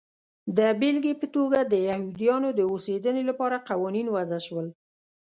د بېلګې په توګه د یهودیانو د اوسېدنې لپاره قوانین وضع شول.